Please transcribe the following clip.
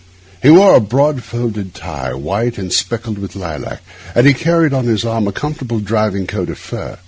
He wore a broad folded tie, white and speckled with lilac, and he carried on his arm a comfortable driving coat of fur.